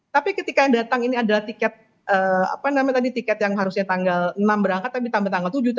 tapi ketika yang datang ini adalah tiket apa namanya tadi tiket yang harusnya tanggal enam berangkat tapi tambah tanggal tujuh